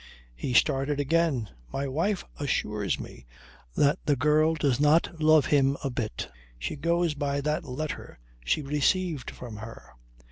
He started again: "My wife assures me that the girl does not love him a bit. She goes by that letter she received from her.